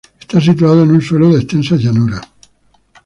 Está situado en un suelo de extensas llanuras.